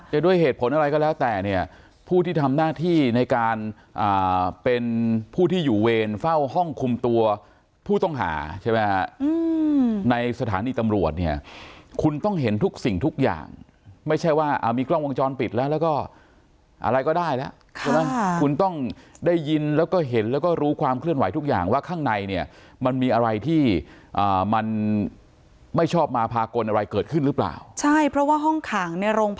จะด้วยเหตุผลอะไรก็แล้วแต่เนี่ยผู้ที่ทำหน้าที่ในการอ่าเป็นผู้ที่อยู่เวรเฝ้าห้องคุมตัวผู้ต้องหาใช่ไหมอืมในสถานีตำรวจเนี่ยคุณต้องเห็นทุกสิ่งทุกอย่างไม่ใช่ว่ามีกล้องวงจรปิดแล้วแล้วก็อะไรก็ได้แล้วค่ะคุณต้องได้ยินแล้วก็เห็นแล้วก็รู้ความเคลื่อนไหวทุกอย่างว่าข้างในเนี่ยมันมีอะไรที่อ่ามัน